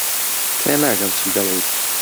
تێناگەم چی دەڵێیت.